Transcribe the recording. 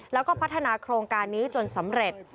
แล้วก็พัฒนาโครงการนี้จนสำเร็จ